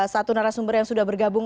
satu narasumber yang sudah bergabung